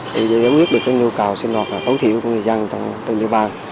để giải quyết được những nhu cầu sinh hoạt tối thiểu của người dân trong tình trạng